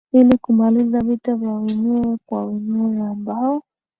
ili kumaliza vita vya wenyewe kwa wenyewe ambao